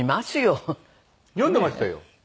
読んでましたよ。